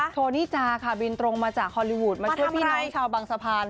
โทนิจาค่ะบินตรงมาจากฮอลลีวูดมาช่วยพี่น้องชาวบางสะพาน